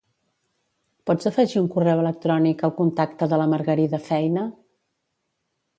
Pots afegir un correu electrònic al contacte de la Margarida Feina?